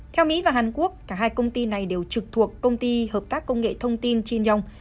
theo mỹ và hàn quốc cả hai công ty này đều trực thuộc công ty hợp tác công nghệ thông tin chin yong